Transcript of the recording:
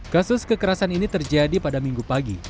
kasus kekerasan ini terjadi pada minggu pagi